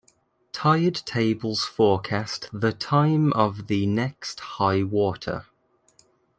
Tide tables forecast the time of the next high water.